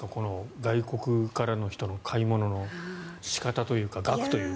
外国からの人の買い物の仕方というか額というか。